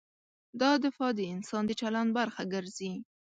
دا دفاع د انسان د چلند برخه ګرځي.